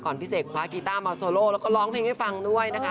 พี่เสกคว้ากีต้ามาโซโลแล้วก็ร้องเพลงให้ฟังด้วยนะคะ